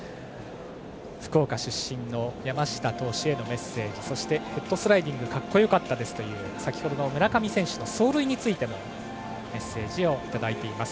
福岡出身の山下投手へのメッセージそして、ヘッドスライディング格好よかったですという先程の村上選手の走塁についてのメッセージをいただいています。